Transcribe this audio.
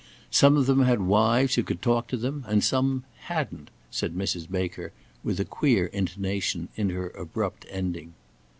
Some of them had wives who could talk to them, and some hadn't," said Mrs. Baker, with a queer intonation in her abrupt ending.